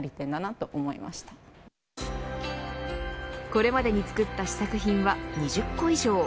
これまでに作った試作品は２０個以上。